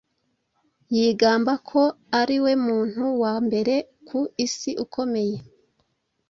Yigamba ko ariwe muntu wa mbere ku isi ukomeye